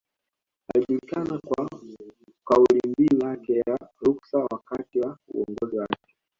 Alijulikana kwa kaulimbiu yake ya Ruksa wakati wa uongozi wake